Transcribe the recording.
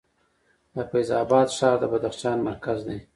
د فیض اباد ښار د بدخشان مرکز دی